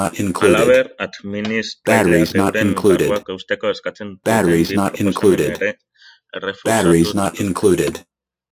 Halaber, administraileak euren karguak usteko eskatzen zuten bi proposamen ere errefusatu dituzte.